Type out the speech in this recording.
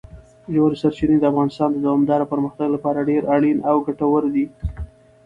ژورې سرچینې د افغانستان د دوامداره پرمختګ لپاره ډېر اړین او ګټور دي.